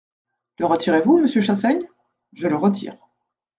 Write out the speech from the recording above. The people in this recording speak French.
Le retirez-vous, monsieur Chassaigne ? Je le retire.